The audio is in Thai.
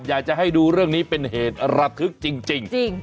อยากจะให้ดูเรื่องนี้เป็นเหตุระทึกจริง